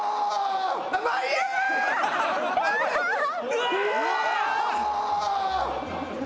うわ！